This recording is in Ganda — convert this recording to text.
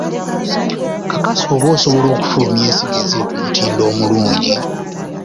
Kakasa oba osobola okufulumya ensigo eziri ku mutindo omulungi.